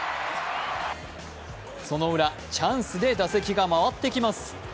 そのウラ、チャンスで打席が回ってきます。